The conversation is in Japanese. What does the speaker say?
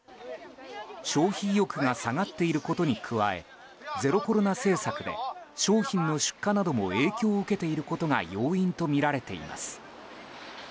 消費意欲が下がっていることに加えゼロコロナ政策で商品の出荷なども影響を受けていることが要因とみられています。